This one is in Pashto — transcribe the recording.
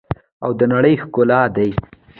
او د نړۍ ښکلا دي.